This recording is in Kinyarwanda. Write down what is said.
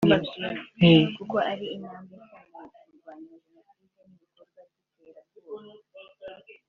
kuko ari intambwe nshya mu kurwanya Jenoside n’ibikorwa by’iterabwoba